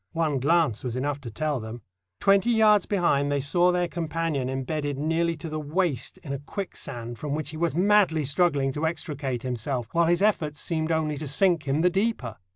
One glance was enough to tell them. Twenty yards behind they saw their companion embedded nearly to the waist in a quicksand, from which he was madly struggling to extricate himself, while his efforts seemed only to sink him the deeper.